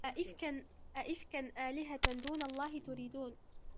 أئفكا آلهة دون الله تريدون